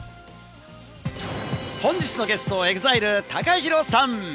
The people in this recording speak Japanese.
本日のゲストはＥＸＩＬＥのＴＡＫＡＨＩＲＯさん。